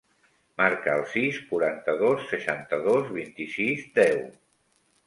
Marca el sis, quaranta-dos, seixanta-dos, vint-i-sis, deu.